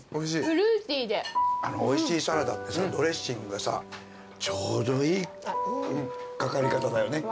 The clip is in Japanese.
おいしいサラダってさドレッシングがさちょうどいい掛かり方だよね